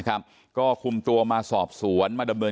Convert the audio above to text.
ตลอดทั้งคืนตลอดทั้งคืน